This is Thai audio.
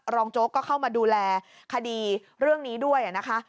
โจ๊กก็เข้ามาดูแลคดีเรื่องนี้ด้วยนะคะ